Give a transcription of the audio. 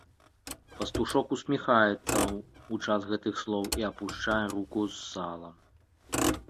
Пастушок усміхаецца ў час гэтых слоў і апушчае руку з салам.